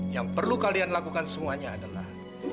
yang perlu kalian lakukan semuanya adalah